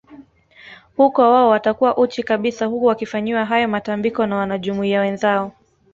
Huko wao watakuwa uchi kabisa huku wakifanyiwa hayo matambiko na wanajumuiya wenzao